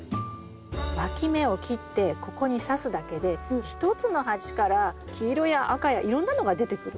わき芽を切ってここにさすだけで１つの鉢から黄色や赤やいろんなのが出てくる。